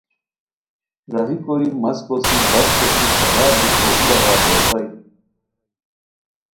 راہی کوری مس کوسی، بس کوسی، خبر بیکو ای ژاغا توریتائے